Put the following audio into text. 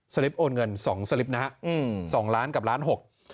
สลิปโอนเงิน๒สลิปนะสองล้านกับล้านหก